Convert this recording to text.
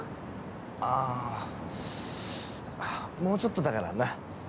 ああもうちょっとだからな。